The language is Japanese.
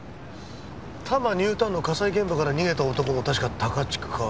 多摩ニュータウンの火災現場から逃げた男も確か高近。